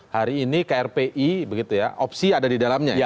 hari ini krpi opsi ada di dalamnya ya